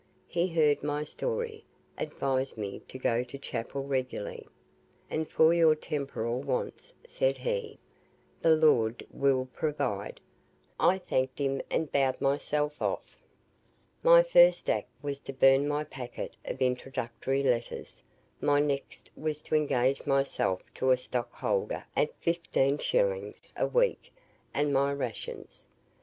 He heard my story, advised me to go to chapel regularly, 'And for your temporal wants,' said he, 'the Lord will provide.' I thanked him, and bowed myself off. "My first act was to burn my packet of introductory letters, my next was to engage myself to a stock holder at 15s. a week and my rations.